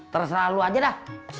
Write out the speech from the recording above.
terus nalur aja dah